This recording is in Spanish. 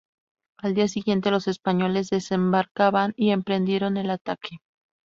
Al día siguiente los españoles desembarcaron y emprendieron el ataque.